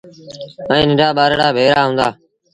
ائيٚݩ ننڍآ ٻآرڙآ ڀيڙآ هُݩدآ ۔